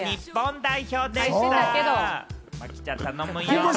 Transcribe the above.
麻貴ちゃん、頼むよ。